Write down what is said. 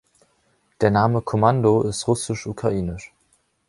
Der Name „Komando“ ist russisch-ukrainisch.